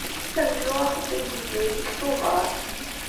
Ad bduɣ axeddim deg Bgayet deg Tubeṛ.